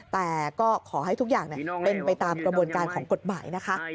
แต่ก็ขอให้ทุกอย่างเป็นไปตามกระบวนการของกฎหมายนะคะ